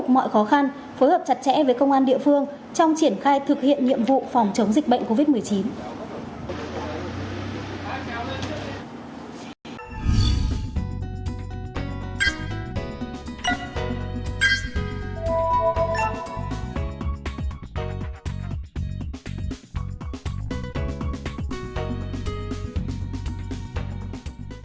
tức là khó khăn phối hợp chặt chẽ với công an địa phương trong triển khai thực hiện nhiệm vụ phòng chống dịch bệnh covid một mươi chín